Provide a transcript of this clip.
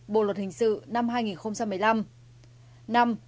bộ luật hình sự năm hai nghìn một mươi năm